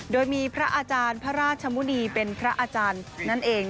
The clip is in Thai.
โดยมีพระอาจารย์พระราชมุณีเป็นพระอาจารย์นั่นเอง